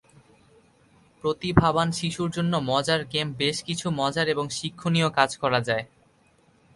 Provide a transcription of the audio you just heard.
প্রতিভাবান শিশুর জন্য মজার গেমবেশ কিছু মজার এবং শিক্ষণীয় কাজ করা যায়।